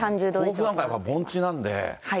甲府なんかはやっぱり盆地なんで。